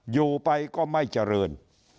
อยู่ไปก็ไม่เจริญ